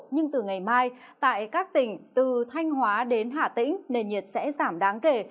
nhưng từ ngày mai tại các tỉnh từ thanh hóa đến hà tĩnh nền nhiệt sẽ giảm đáng kể